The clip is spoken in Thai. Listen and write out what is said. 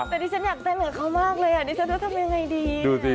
แต่ดิฉันอยากเต้นกับเขามากเลยอ่ะดิฉันจะทำยังไงดี